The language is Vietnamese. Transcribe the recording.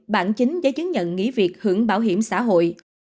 bản chính giấy chứng nhận nghỉ việc hưởng bảo hiểm xã hội